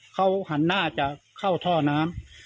เขาหันหน้าจะเข้าท่อน้ำ